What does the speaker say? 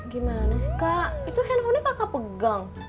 gimana sih kak itu handphonenya kakak pegang